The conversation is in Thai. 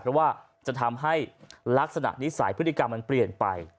เพราะว่าจะทำให้ลักษณะนิสัยพฤติกรรมมันเปลี่ยนไป